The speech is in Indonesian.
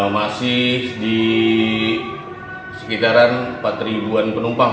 masih di sekitaran empat ribuan penumpang